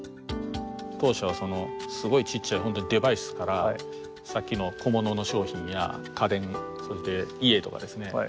当社はすごいちっちゃいデバイスからさっきの小物の商品や家電そして家とかですね